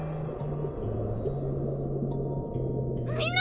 みんな！